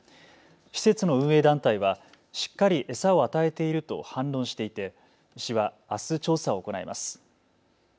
施設の運営団体はしっかり餌を与えていると反論していて市はあす調査を行います。